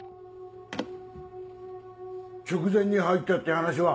直前に入ったって話は？